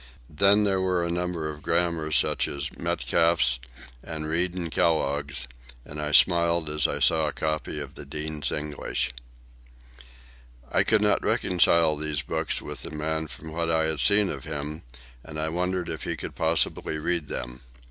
Then there were a number of grammars, such as Metcalf's, and Reed and Kellogg's; and I smiled as I saw a copy of The Dean's English. I could not reconcile these books with the man from what I had seen of him, and I wondered if he could possibly read them.